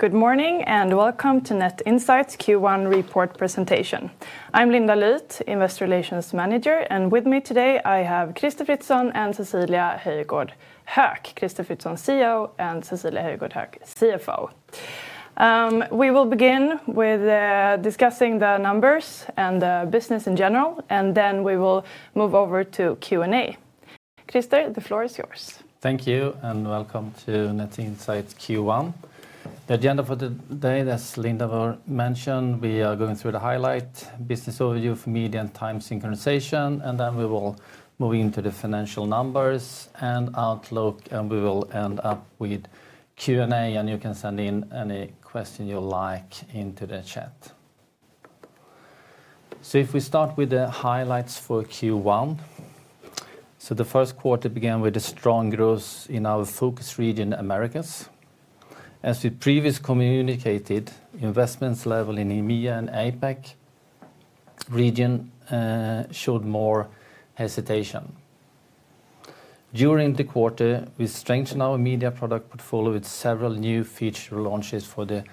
Good morning and welcome to Net Insight's Q1 report presentation. I'm Linda Lyth, Investor Relations Manager, and with me today I have Crister Fritzson and Cecilia Höjgård Höök, Crister Fritzson, CEO, and Cecilia Höjgård Höök, CFO. We will begin with discussing the numbers and the business in general, and then we will move over to Q&A. Crister, the floor is yours. Thank you and welcome to Net Insight Q1. The agenda for today, as Linda mentioned, we are going through the highlight, business overview, media, and time synchronization, and then we will move into the financial numbers and outlook, and we will end up with Q&A, and you can send in any question you like into the chat. If we start with the highlights for Q1, the first quarter began with strong growth in our focus region, Americas. As we previously communicated, investment levels in EMEA and APAC region showed more hesitation. During the quarter, we strengthened our media product portfolio with several new feature launches for the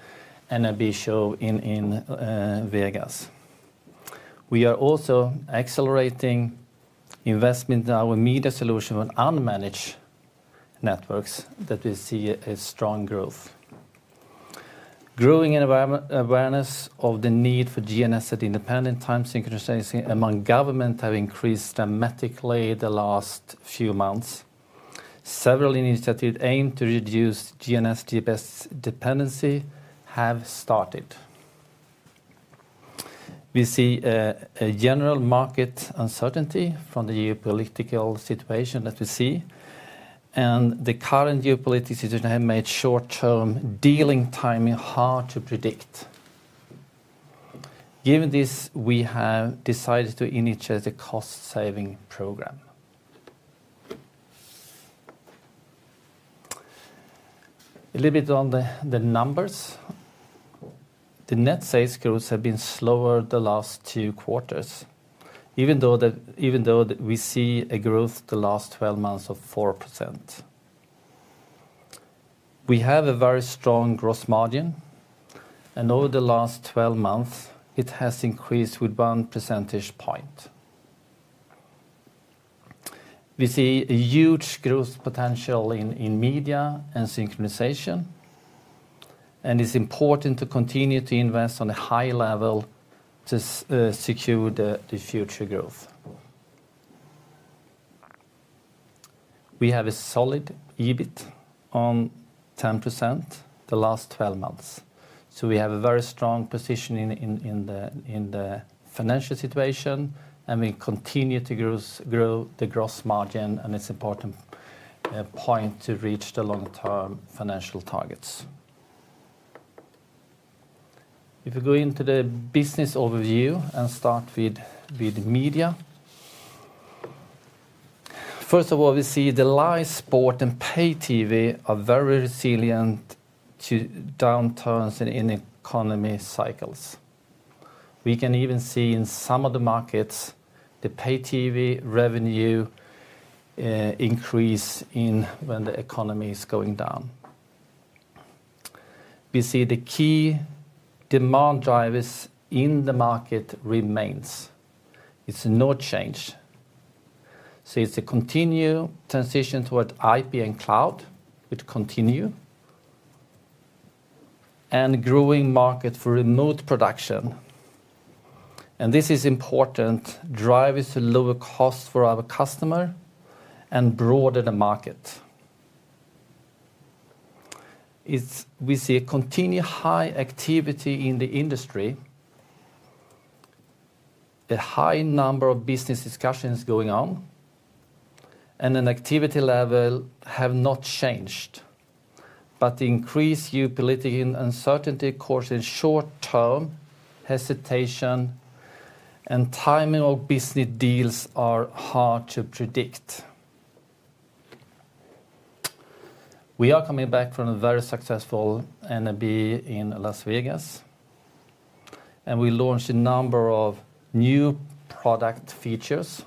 NAB show in Las Vegas. We are also accelerating investment in our media solution on managed networks that we see a strong growth. Growing awareness of the need for GNSS independent time synchronization among government have increased dramatically the last few months. Several initiatives aimed to reduce GNSS dependency have started. We see a general market uncertainty from the geopolitical situation that we see, and the current geopolitical situation has made short-term dealing timing hard to predict. Given this, we have decided to initiate a cost-saving program. A little bit on the numbers. The net sales growth has been slower the last two quarters, even though we see a growth the last 12 months of 4%. We have a very strong gross margin, and over the last 12 months, it has increased with one percentage point. We see a huge growth potential in media and synchronization, and it's important to continue to invest on a high level to secure the future growth. We have a solid EBIT on 10% the last 12 months, so we have a very strong position in the financial situation, and we continue to grow the gross margin, and it's an important point to reach the long-term financial targets. If we go into the business overview and start with media, first of all, we see the live sport and pay TV are very resilient to downturns in economy cycles. We can even see in some of the markets the pay TV revenue increase when the economy is going down. We see the key demand drivers in the market remains. It's no change. It is a continued transition towards IP and cloud, which continue, and growing market for remote production. This is important; drivers to lower costs for our customer and broader the market. We see a continued high activity in the industry, a high number of business discussions going on, and an activity level has not changed. The increased geopolitical uncertainty causes short-term hesitation, and timing of business deals is hard to predict. We are coming back from a very successful NAB in Las Vegas, and we launched a number of new product features,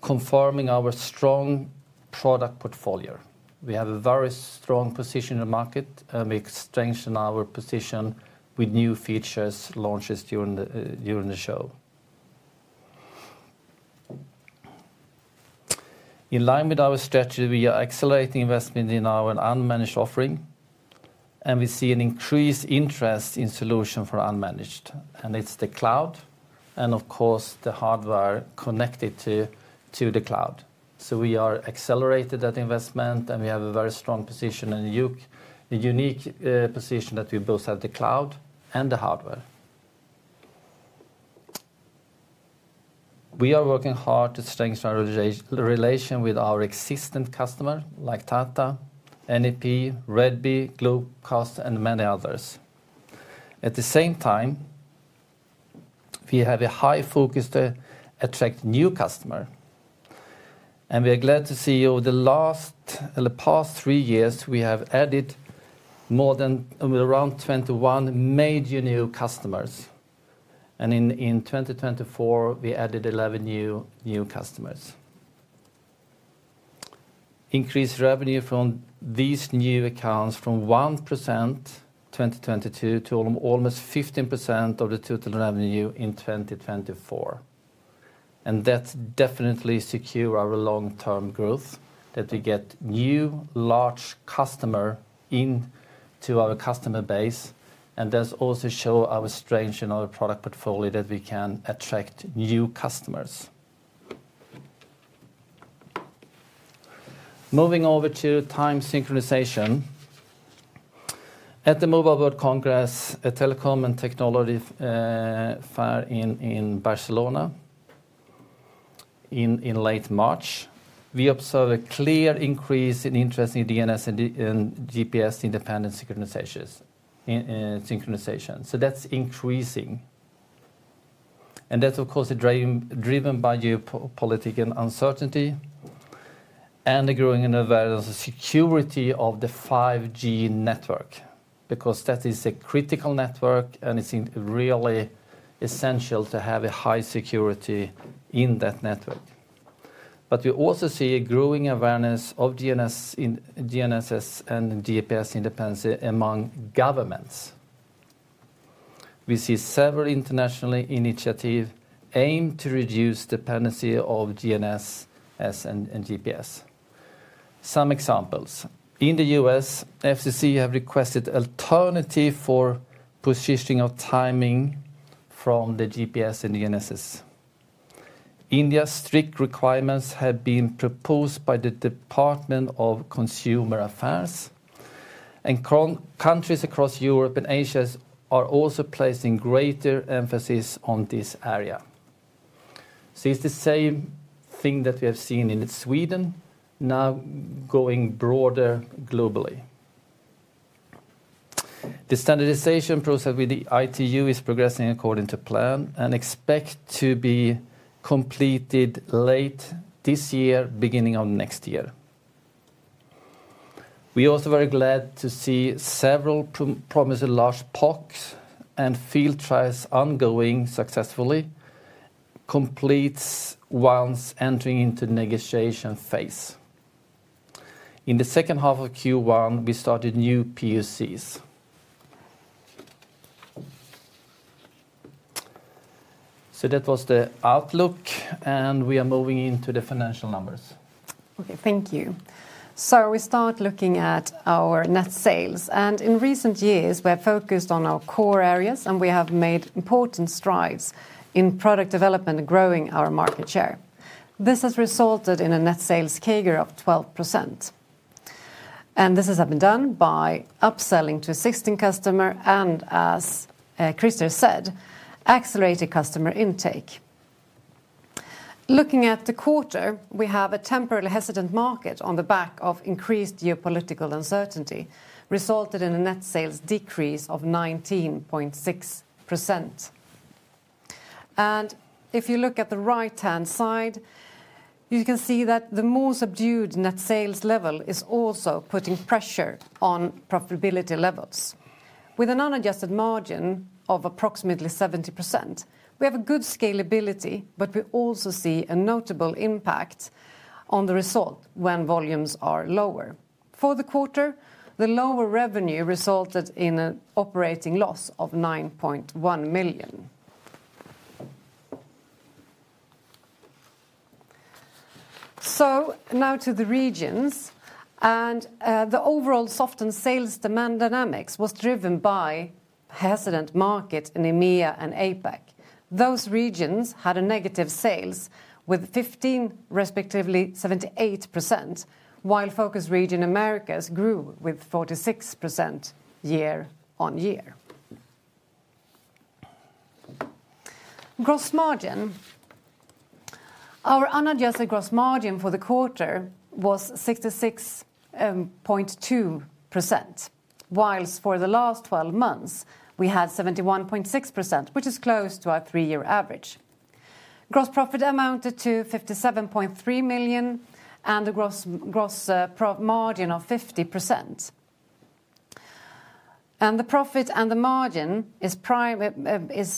confirming our strong product portfolio. We have a very strong position in the market, and we strengthen our position with new features launches during the show. In line with our strategy, we are accelerating investment in our unmanaged offering, and we see an increased interest in solutions for unmanaged, and it's the cloud and, of course, the hardware connected to the cloud. We are accelerating that investment, and we have a very strong position and a unique position that we both have the cloud and the hardware. We are working hard to strengthen our relation with our existing customers like Tata, NEP, Red Bee, Globecast, and many others. At the same time, we have a high focus to attract new customers, and we are glad to see over the last three years we have added more than around 21 major new customers, and in 2024, we added 11 new customers. Increased revenue from these new accounts from 1% in 2022 to almost 15% of the total revenue in 2024, and that definitely secures our long-term growth that we get new large customers into our customer base, and that also shows our strength in our product portfolio that we can attract new customers. Moving over to time synchronization. At the Mobile World Congress, a telecom and technology fair in Barcelona in late March, we observed a clear increase in interest in GNSS and GPS independent synchronization. That's increasing, and that's, of course, driven by geopolitical uncertainty and the growing awareness of security of the 5G network, because that is a critical network, and it's really essential to have a high security in that network. We also see a growing awareness of GNSS and GPS independency among governments. We see several international initiatives aimed to reduce dependency on GNSS and GPS. Some examples: in the U.S., FCC has requested an alternative for positioning of timing from the GPS and GNSS. India's strict requirements have been proposed by the Department of Consumer Affairs, and countries across Europe and Asia are also placing greater emphasis on this area. It's the same thing that we have seen in Sweden, now going broader globally. The standardization process with the ITU is progressing according to plan and is expected to be completed late this year, beginning of next year. We are also very glad to see several promising large PoCs and field trials ongoing successfully, complete once entering into the negotiation phase. In the second half of Q1, we started new PoCs. That was the outlook, and we are moving into the financial numbers. Okay, thank you. We start looking at our net sales, and in recent years, we have focused on our core areas, and we have made important strides in product development, growing our market share. This has resulted in a net sales CAGR of 12%, and this has been done by upselling to existing customers and, as Crister said, accelerated customer intake. Looking at the quarter, we have a temporarily hesitant market on the back of increased geopolitical uncertainty, resulting in a net sales decrease of 19.6%. If you look at the right-hand side, you can see that the more subdued net sales level is also putting pressure on profitability levels. With a non-adjusted margin of approximately 70%, we have good scalability, but we also see a notable impact on the result when volumes are lower. For the quarter, the lower revenue resulted in an operating loss of 9.1 million. Now to the regions, and the overall soft sales demand dynamics was driven by a hesitant market in EMEA and APAC. Those regions had negative sales with 15%, respectively 78%, while focus region Americas grew with 46% year on year. Gross margin, our unadjusted gross margin for the quarter was 66.2%, whilst for the last 12 months, we had 71.6%, which is close to our three-year average. Gross profit amounted to 57.3 million and a gross margin of 50%. The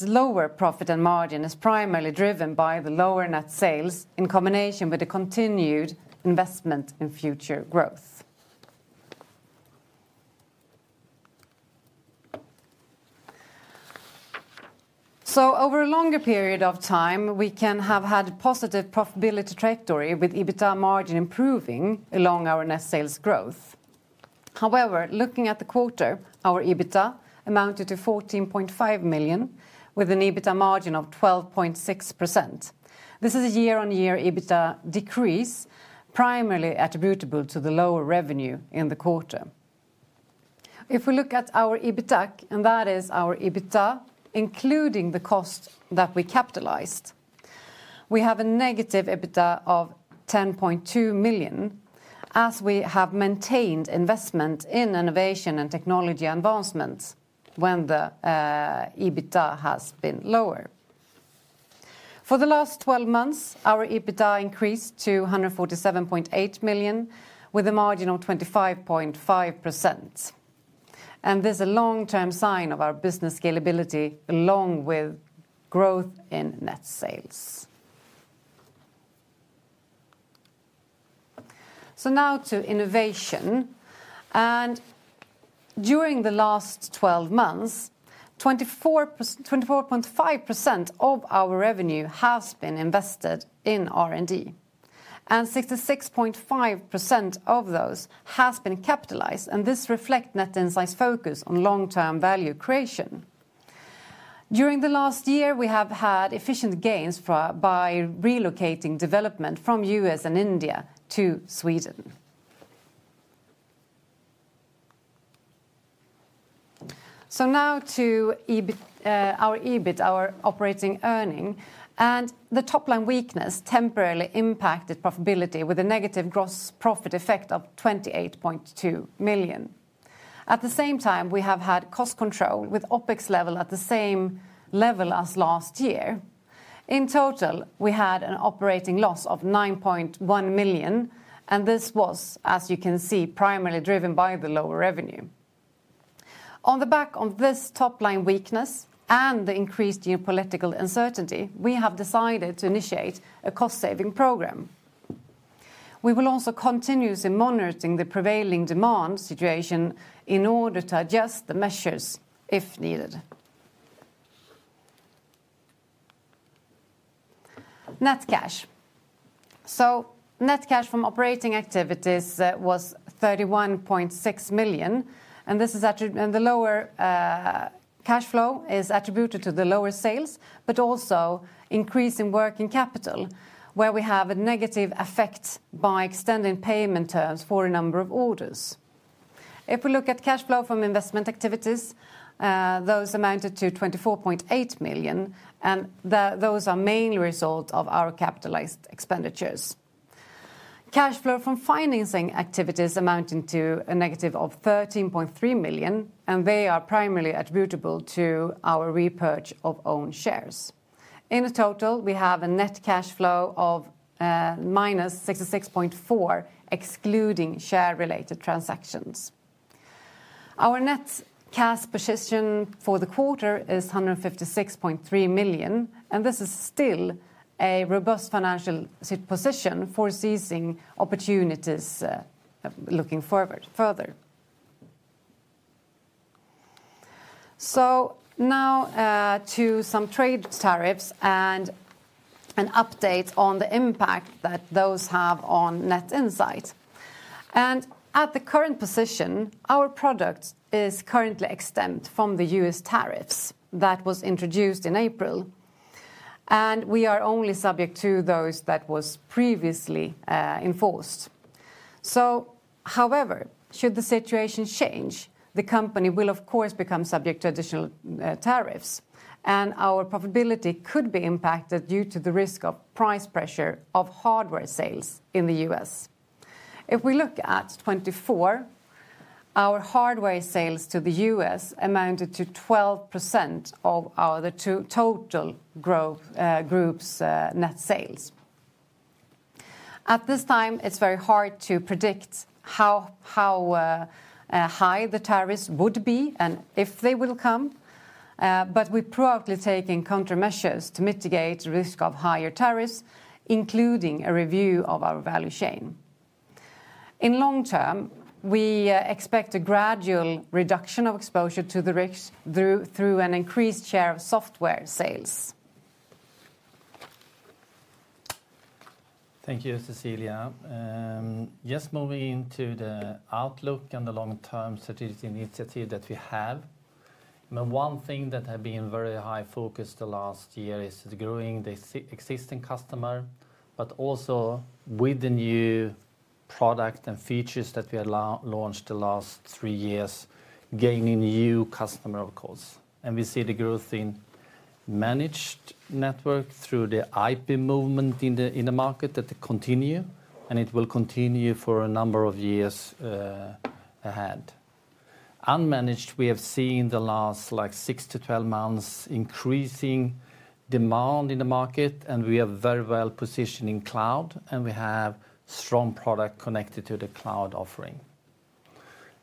lower profit and margin is primarily driven by the lower net sales in combination with the continued investment in future growth. Over a longer period of time, we have had a positive profitability trajectory with EBITDA margin improving along our net sales growth. However, looking at the quarter, our EBITDA amounted to 14.5 million with an EBITDA margin of 12.6%. This is a year-on-year EBITDA decrease, primarily attributable to the lower revenue in the quarter. If we look at our EBITDA, and that is our EBITDA including the cost that we capitalized, we have a negative EBITDA of 10.2 million as we have maintained investment in innovation and technology advancements when the EBITDA has been lower. For the last 12 months, our EBITDA increased to 147.8 million with a margin of 25.5%, and this is a long-term sign of our business scalability along with growth in net sales. Now to innovation, and during the last 12 months, 24.5% of our revenue has been invested in R&D, and 66.5% of those has been capitalized, and this reflects Net Insight's focus on long-term value creation. During the last year, we have had efficient gains by relocating development from the U.S. and India to Sweden. Now to our EBIT, our operating earning, and the top-line weakness temporarily impacted profitability with a negative gross profit effect of 28.2 million. At the same time, we have had cost control with OpEx level at the same level as last year. In total, we had an operating loss of 9.1 million, and this was, as you can see, primarily driven by the lower revenue. On the back of this top-line weakness and the increased geopolitical uncertainty, we have decided to initiate a cost-saving program. We will also continue monitoring the prevailing demand situation in order to adjust the measures if needed. Net cash, so net cash from operating activities was 31.6 million, and this lower cash flow is attributed to the lower sales, but also increase in working capital, where we have a negative effect by extending payment terms for a number of orders. If we look at cash flow from investment activities, those amounted to 24.8 million, and those are mainly a result of our capitalized expenditures. Cash flow from financing activities amounted to a negative of 13.3 million, and they are primarily attributable to our repurchase of own shares. In total, we have a net cash flow of minus 66.4 million, excluding share-related transactions. Our net cash position for the quarter is 156.3 million, and this is still a robust financial position for seizing opportunities looking further. Now to some trade tariffs and an update on the impact that those have on Net Insight. At the current position, our product is currently exempt from the U.S. tariffs that were introduced in April, and we are only subject to those that were previously enforced. However, should the situation change, the company will, of course, become subject to additional tariffs, and our profitability could be impacted due to the risk of price pressure of hardware sales in the U.S. If we look at 2024, our hardware sales to the U.S. amounted to 12% of our total group's net sales. At this time, it's very hard to predict how high the tariffs would be and if they will come, but we're proactively taking countermeasures to mitigate the risk of higher tariffs, including a review of our value chain. In the long term, we expect a gradual reduction of exposure to the risks through an increased share of software sales. Thank you, Cecilia. Just moving into the outlook and the long-term strategic initiative that we have, one thing that has been very high focus the last year is growing the existing customers, but also with the new product and features that we have launched the last three years, gaining new customers, of course. We see the growth in managed networks through the IP movement in the market that continues, and it will continue for a number of years ahead. Unmanaged, we have seen the last 6-12 months increasing demand in the market, and we are very well positioned in cloud, and we have strong products connected to the cloud offering.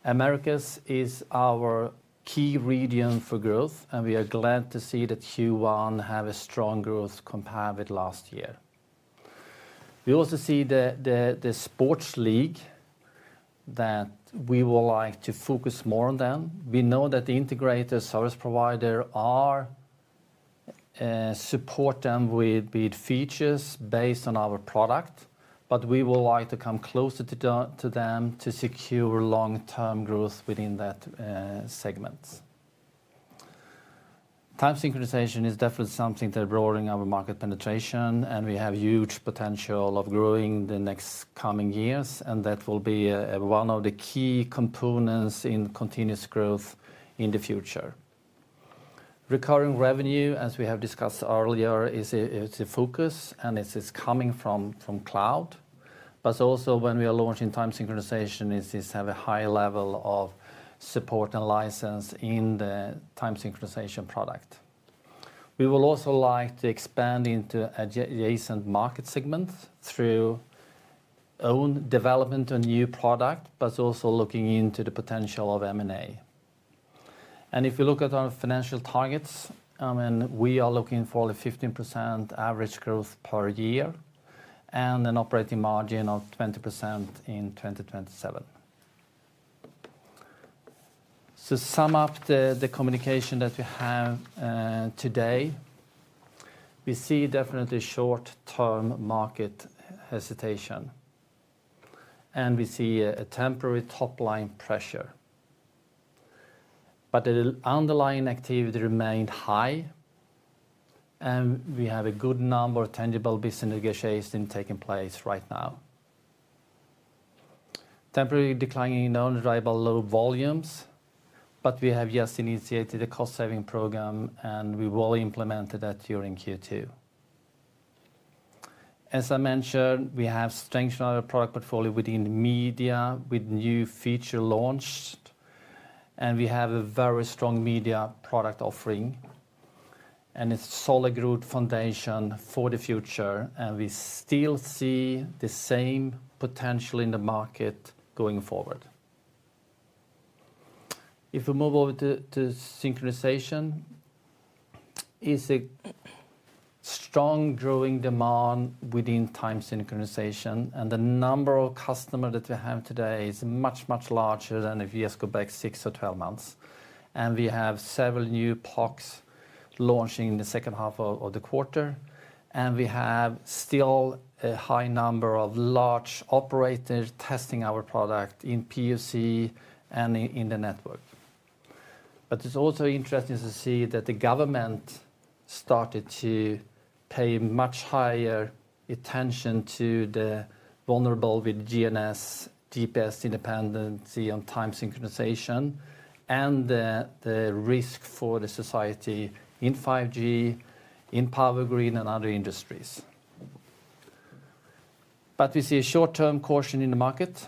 Americas is our key region for growth, and we are glad to see that Q1 has a strong growth compared with last year. We also see the sports league that we would like to focus more on. We know that the integrators, service providers are supporting them with features based on our product, but we would like to come closer to them to secure long-term growth within that segment. Time synchronization is definitely something that is broadening our market penetration, and we have huge potential of growing in the next coming years, and that will be one of the key components in continuous growth in the future. Recurring revenue, as we have discussed earlier, is a focus, and it is coming from cloud, but also when we are launching time synchronization, it is to have a high level of support and license in the time synchronization product. We would also like to expand into adjacent market segments through own development of new products, but also looking into the potential of M&A. If we look at our financial targets, we are looking for a 15% average growth per year and an operating margin of 20% in 2027. To sum up the communication that we have today, we see definitely short-term market hesitation, and we see a temporary top-line pressure, but the underlying activity remained high, and we have a good number of tangible business negotiations taking place right now. Temporarily declining non-drivable low volumes, but we have just initiated a cost-saving program, and we will implement that during Q2. As I mentioned, we have strengthened our product portfolio within media with new features launched, and we have a very strong media product offering, and it is a solid growth foundation for the future, and we still see the same potential in the market going forward. If we move over to synchronization, it's a strong growing demand within time synchronization, and the number of customers that we have today is much, much larger than if you just go back 6 or 12 months, and we have several new PoCs launching in the second half of the quarter, and we have still a high number of large operators testing our product in PoC and in the network. It is also interesting to see that the government started to pay much higher attention to the vulnerability with GNSS, GPS independency on time synchronization, and the risk for the society in 5G, in power grid, and other industries. We see a short-term caution in the market,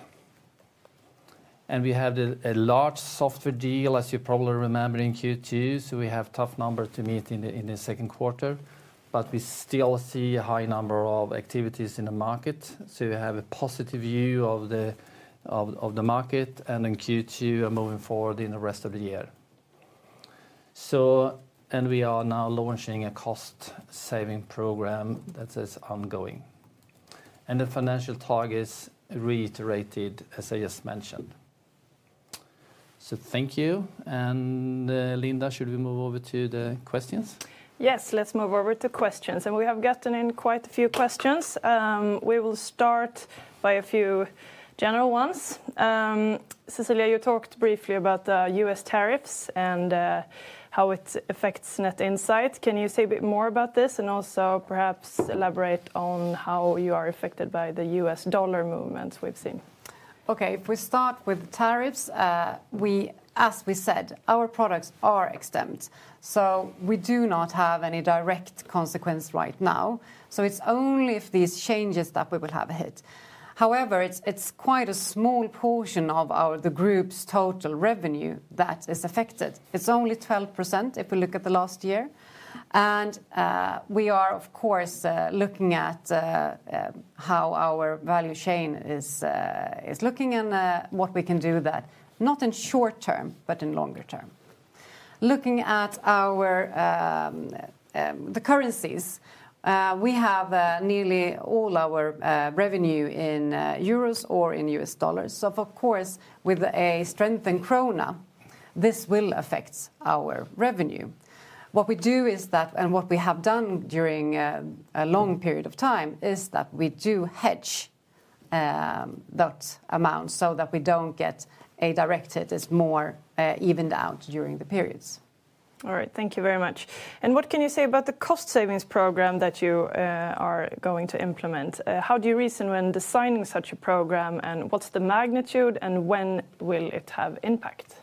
and we have a large software deal, as you probably remember in Q2, so we have tough numbers to meet in the second quarter, but we still see a high number of activities in the market. We have a positive view of the market in Q2 and moving forward in the rest of the year. We are now launching a cost-saving program that is ongoing, and the financial targets reiterated, as I just mentioned. Thank you, and Linda, should we move over to the questions? Yes, let's move over to questions, and we have gotten in quite a few questions. We will start by a few general ones. Cecilia, you talked briefly about the U.S. tariffs and how it affects Net Insight. Can you say a bit more about this and also perhaps elaborate on how you are affected by the U.S. dollar movements we've seen? Okay, if we start with the tariffs, as we said, our products are extended, so we do not have any direct consequence right now, so it's only if these changes that we will have a hit. However, it's quite a small portion of the group's total revenue that is affected. It's only 12% if we look at the last year, and we are, of course, looking at how our value chain is looking and what we can do that, not in short term, but in longer term. Looking at the currencies, we have nearly all our revenue in euros or in U.S. dollars, so of course, with a strengthened krona, this will affect our revenue. What we do is that, and what we have done during a long period of time, is that we do hedge that amount so that we don't get a direct. It is more evened out during the periods. All right, thank you very much. What can you say about the cost-savings program that you are going to implement? How do you reason when designing such a program, and what's the magnitude, and when will it have impact?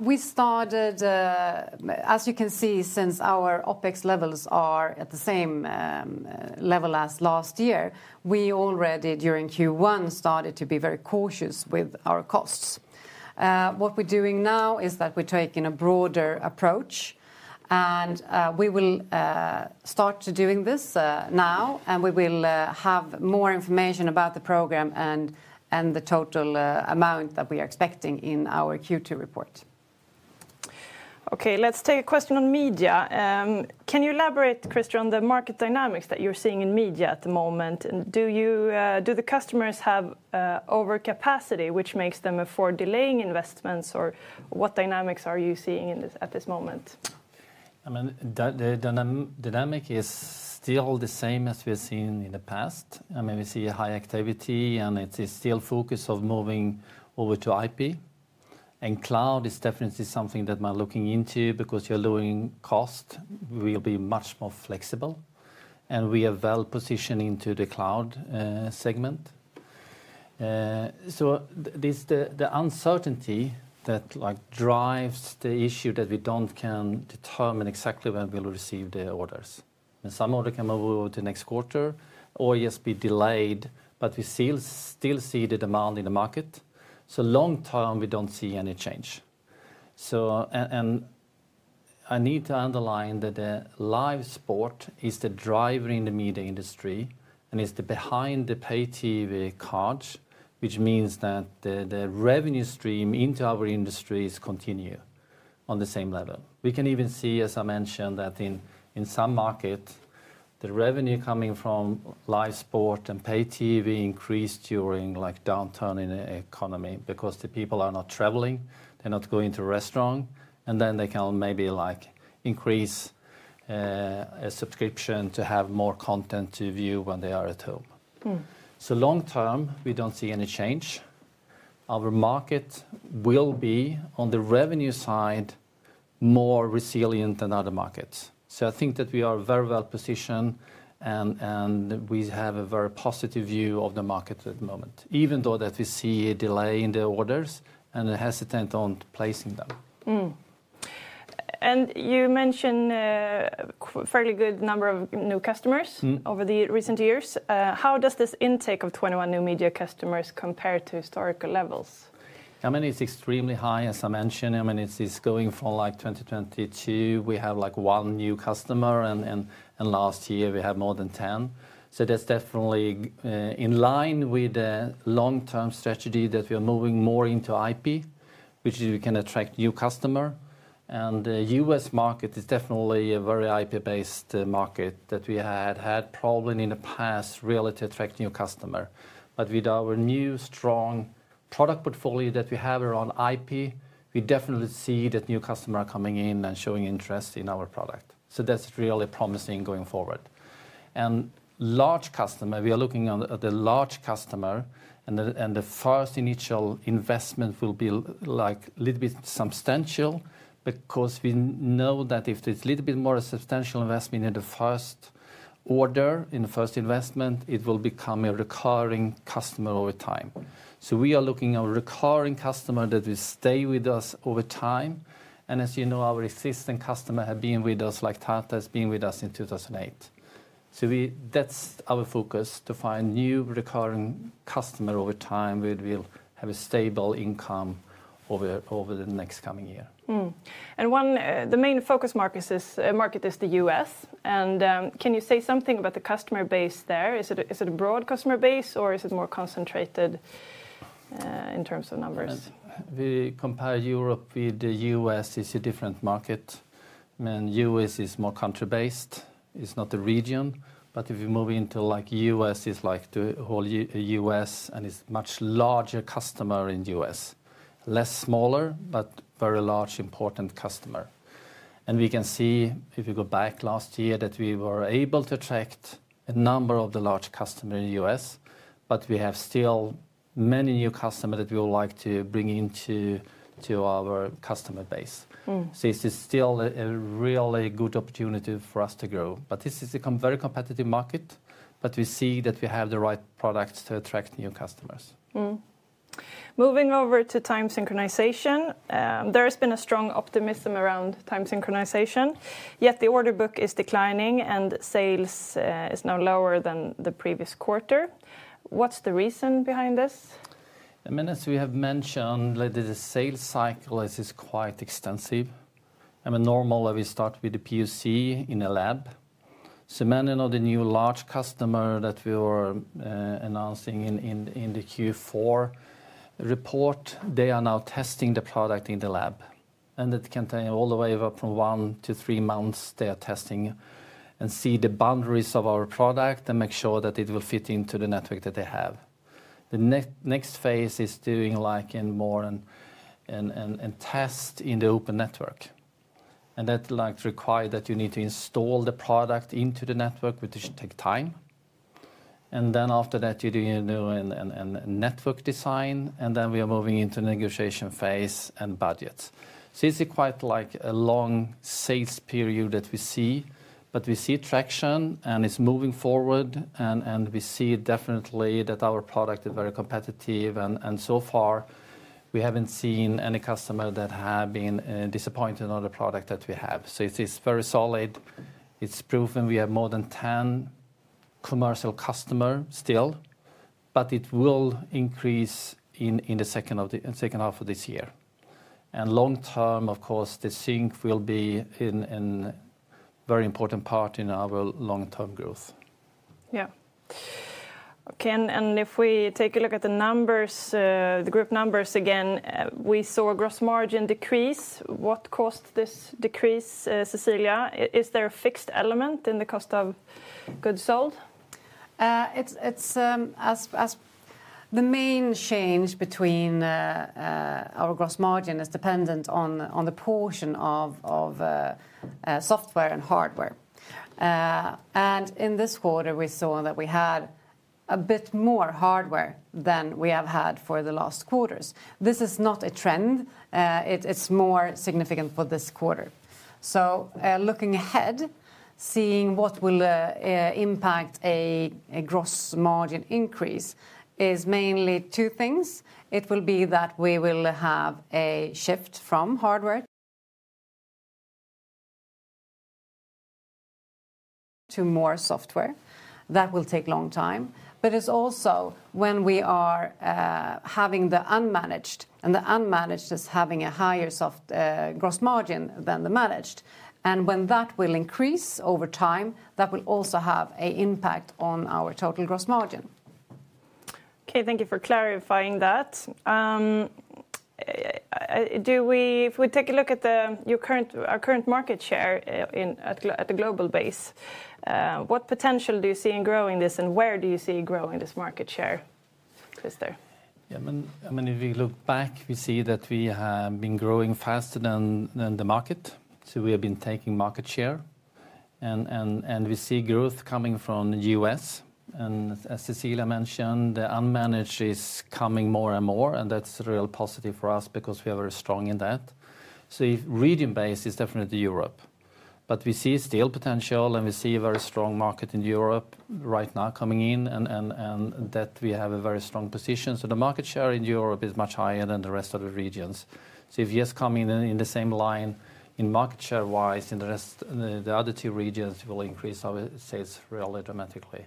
We started, as you can see, since our OpEx levels are at the same level as last year, we already during Q1 started to be very cautious with our costs. What we're doing now is that we're taking a broader approach, and we will start doing this now, and we will have more information about the program and the total amount that we are expecting in our Q2 report. Okay, let's take a question on media. Can you elaborate, Crister, on the market dynamics that you're seeing in media at the moment? Do the customers have overcapacity, which makes them afford delaying investments, or what dynamics are you seeing at this moment? The dynamic is still the same as we've seen in the past. We see high activity, and it is still a focus of moving over to IP, and cloud is definitely something that we're looking into because you're lowering costs. We'll be much more flexible, and we are well positioned into the cloud segment. There is the uncertainty that drives the issue that we don't can determine exactly when we'll receive the orders. Some orders can move over to next quarter or just be delayed, but we still see the demand in the market. Long term, we don't see any change. I need to underline that the live sport is the driver in the media industry, and it's behind the pay TV cards, which means that the revenue stream into our industry is continuing on the same level. We can even see, as I mentioned, that in some markets, the revenue coming from live sport and pay TV increased during downturn in the economy because the people are not traveling, they're not going to restaurants, and then they can maybe increase a subscription to have more content to view when they are at home. Long term, we do not see any change. Our market will be, on the revenue side, more resilient than other markets. I think that we are very well positioned, and we have a very positive view of the market at the moment, even though we see a delay in the orders and are hesitant on placing them. You mentioned a fairly good number of new customers over the recent years. How does this intake of 21 new media customers compare to historical levels? I mean, it's extremely high, as I mentioned. I mean, it's going from like 2022, we have like one new customer, and last year we had more than 10. That is definitely in line with the long-term strategy that we are moving more into IP, which is we can attract new customers. The U.S. market is definitely a very IP-based market that we had had problems in the past really to attract new customers. With our new strong product portfolio that we have around IP, we definitely see that new customers are coming in and showing interest in our product. That is really promising going forward. Large customers, we are looking at the large customers, and the first initial investment will be a little bit substantial because we know that if there is a little bit more substantial investment in the first order, in the first investment, it will become a recurring customer over time. We are looking at recurring customers that will stay with us over time, and as you know, our existing customers have been with us, like Tata has been with us in 2008. That is our focus, to find new recurring customers over time where we will have a stable income over the next coming year. The main focus market is the U.S., and can you say something about the customer base there? Is it a broad customer base, or is it more concentrated in terms of numbers? We compare Europe with the U.S.; it's a different market. I mean, the U.S. is more country-based. It's not a region, but if you move into like U.S., it's like the whole U.S., and it's a much larger customer in the U.S. Less smaller, but very large, important customer. I mean, we can see, if you go back last year, that we were able to attract a number of the large customers in the U.S., but we have still many new customers that we would like to bring into our customer base. This is still a really good opportunity for us to grow. This is a very competitive market, but we see that we have the right products to attract new customers. Moving over to time synchronization, there has been a strong optimism around time synchronization, yet the order book is declining, and sales is now lower than the previous quarter. What's the reason behind this? I mean, as we have mentioned, the sales cycle is quite extensive. I mean, normally we start with the PoC in a lab. So many of the new large customers that we were announcing in the Q4 report, they are now testing the product in the lab, and it can take all the way from one to three months they are testing and see the boundaries of our product and make sure that it will fit into the network that they have. The next phase is doing like a more test in the open network, that requires that you need to install the product into the network, which takes time. After that, you do a network design, and then we are moving into the negotiation phase and budgets. It is quite like a long sales period that we see, but we see traction, and it is moving forward, and we see definitely that our product is very competitive, and so far we have not seen any customer that has been disappointed in the product that we have. It is very solid. It is proven we have more than 10 commercial customers still, but it will increase in the second half of this year. Long term, of course, the sync will be a very important part in our long-term growth. Yeah. Okay, and if we take a look at the numbers, the group numbers again, we saw gross margin decrease. What caused this decrease, Cecilia? Is there a fixed element in the cost of goods sold? It's as the main change between our gross margin is dependent on the portion of software and hardware. In this quarter, we saw that we had a bit more hardware than we have had for the last quarters. This is not a trend. It's more significant for this quarter. Looking ahead, seeing what will impact a gross margin increase is mainly two things. It will be that we will have a shift from hardware to more software. That will take a long time, but it's also when we are having the unmanaged, and the unmanaged is having a higher gross margin than the managed. When that will increase over time, that will also have an impact on our total gross margin. Okay, thank you for clarifying that. If we take a look at our current market share at the global base, what potential do you see in growing this, and where do you see growing this market share, Crister? Yeah, I mean, if we look back, we see that we have been growing faster than the market. We have been taking market share, and we see growth coming from the U.S.. As Cecilia mentioned, the unmanaged is coming more and more, and that's a real positive for us because we are very strong in that. The region base is definitely Europe, but we see still potential, and we see a very strong market in Europe right now coming in, and that we have a very strong position. The market share in Europe is much higher than the rest of the regions. If you're coming in the same line in market share-wise in the other two regions, it will increase our sales really dramatically.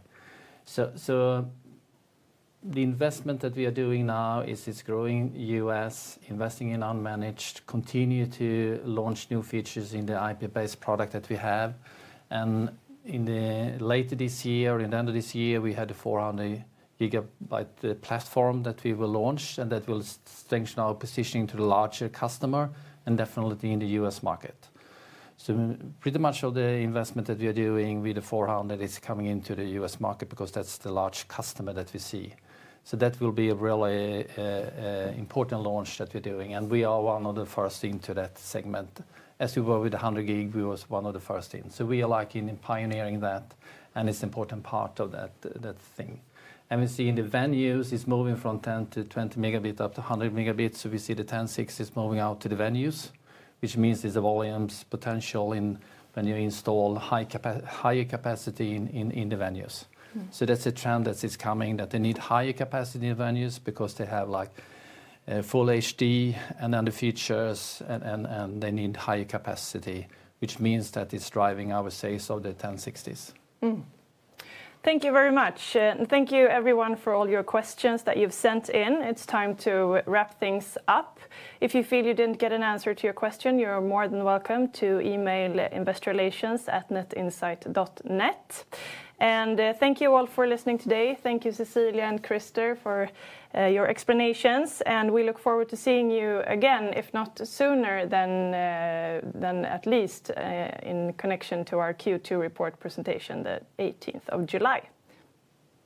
The investment that we are doing now is growing U.S., investing in unmanaged, continue to launch new features in the IP-based product that we have. In the later this year, in the end of this year, we had a 400 GB platform that we will launch, and that will strengthen our positioning to the larger customer and definitely in the U.S. market. Pretty much all the investment that we are doing with the 400 GB is coming into the U.S. market because that's the large customer that we see. That will be a really important launch that we're doing, and we are one of the first into that segment. As we were with 100 GB, we were one of the first in. We are like pioneering that, and it's an important part of that thing. We see in the venues, it's moving from 10-20 Mb up to 100 Mb. We see the 1060 is moving out to the venues, which means there's a volume potential when you install higher capacity in the venues. That's a trend that is coming, that they need higher capacity in venues because they have like full HD and other features, and they need higher capacity, which means that it's driving our sales of the 1060s. Thank you very much. Thank you, everyone, for all your questions that you've sent in. It's time to wrap things up. If you feel you didn't get an answer to your question, you're more than welcome to email investorrelations@netinsight.net. Thank you all for listening today. Thank you, Cecilia and Crister, for your explanations, and we look forward to seeing you again, if not sooner than at least in connection to our Q2 report presentation the 18th of July.